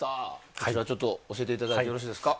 こちら、教えていただいてよろしいですか？